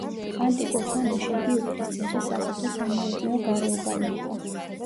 ანტიკურ ხანაში იგი უფლისციხის სასოფლო-სამეურნეო გარეუბანი იყო.